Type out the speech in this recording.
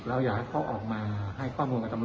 เราอยากให้เค้าออกมาให้ข้อมูลกับส่วนรวม